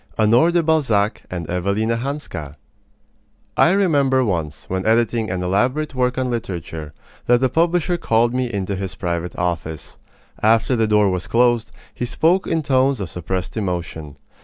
HONORE DE BALZAC AND EVELINA HANSKA I remember once, when editing an elaborate work on literature, that the publisher called me into his private office. After the door was closed, he spoke in tones of suppressed emotion.